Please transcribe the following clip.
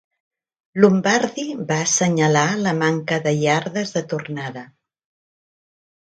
Lombardi va assenyalar la manca de iardes de tornada.